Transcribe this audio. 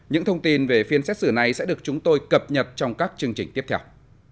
những thông tin về phiên xét xử này sẽ được chúng tôi cập nhật trong các chương trình tiếp theo